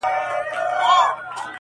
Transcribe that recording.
چې څوک به وو زما د غورځېدو په انتظار